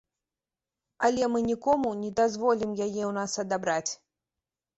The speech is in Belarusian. Але мы нікому не дазволім яе ў нас адабраць.